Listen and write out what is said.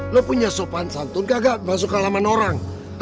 lo punya sopan santun kagak masuk alaman orang